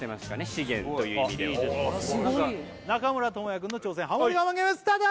資源という意味では中村倫也君の挑戦ハモリ我慢ゲームスタート！